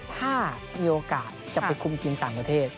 ถ้ามีโอกาสจะไปคุมทีมต่างประเทศ